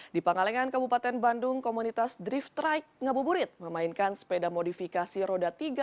di pangalengan kabupaten bandung komunitas drift trike ngabuburit memainkan sepeda modifikasi roda tiga